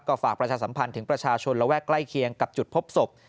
ก็ฝากประชาสัมพันธ์ถึงประชาชนระแวกใกล้เคียงกับจุดพบศพ